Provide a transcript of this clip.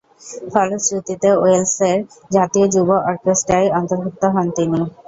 ফলশ্রুতিতে ওয়েলসের জাতীয় যুব অর্কেস্টায় অন্তর্ভুক্ত হন তিনি।